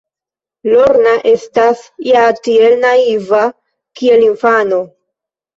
Lorna estas ja tiel naiva, kiel infano.